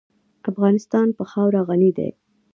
افغانستان په خاوره غني دی.